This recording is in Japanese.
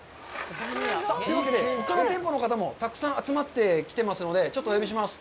さあというわけでほかの店舗の方もたくさん集まってきてますので、ちょっとお呼びします。